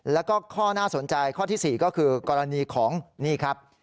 แล้วก็ข้อน่าสนใจข้อที่๔ก็คือกรณีของนี่ครับ